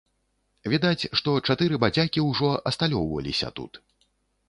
Відаць, што чатыры бадзякі ўжо асталёўваліся тут.